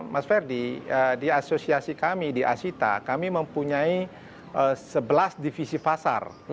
mas ferdi di asosiasi kami di asita kami mempunyai sebelas divisi pasar